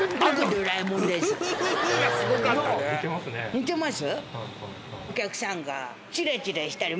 似てます？